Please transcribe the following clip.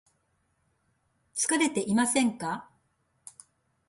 疲れていませんか